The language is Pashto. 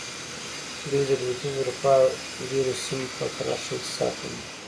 دوی د لوېدیځې اروپا ډېرو سیمو په پرتله ښه اقتصاد لري.